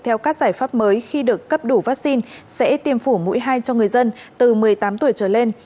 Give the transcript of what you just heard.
theo các giải pháp mới khi được cấp đủ vaccine sẽ tiêm phủ mũi hai cho người dân từ một mươi tám tuổi trở lên